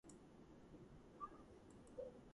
გვაქვს ოთხი, ოთხი რაღაც და ამას გამოკლებული სამი.